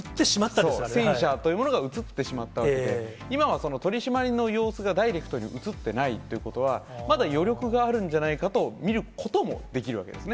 戦車というものがうつってしまったわけで、今は取締りの様子が、ダイレクトにうつってないってことは、まだ余力があるんじゃないかと見ることもできるわけですね。